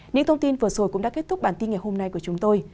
những thông tin vừa rồi cũng đã kết thúc bản tin ngày hôm nay của chúng tôi